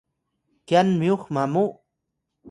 kyan myux mamu?